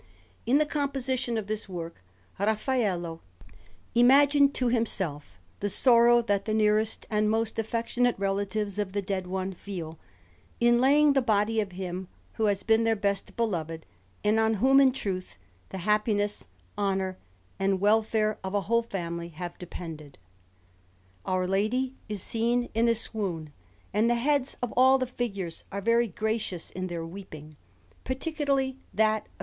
In the composition of this work, Raffaello imagined to himself the sorrow that the nearest and most affectionate relatives of the dead one feel in laying to rest the body of him who has been their best beloved, and on whom, in truth, the happiness, honour, and welfare of a whole family have depended. Our Lady is seen in a swoon; and the heads of all the figures are very gracious in their weeping, particularly that of S.